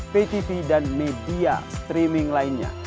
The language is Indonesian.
ptv dan media streaming lainnya